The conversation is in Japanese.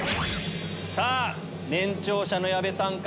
さぁ年長者の矢部さんか？